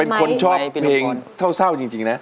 เป็นคนชอบเพลงเศร้าจริงนะ